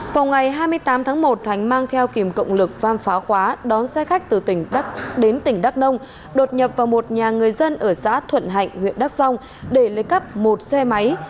vào ngày hai mươi tám tháng một thành mang theo kìm cộng lực pham phá khóa đón xe khách từ tỉnh đắk đông đột nhập vào một nhà người dân ở xã thuận hạnh huyện đắk song để lấy cắp một xe máy